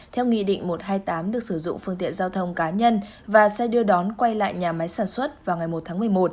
theo nghị định một trăm hai mươi tám được sử dụng phương tiện giao thông cá nhân và xe đưa đón quay lại nhà máy sản xuất vào ngày một tháng một mươi một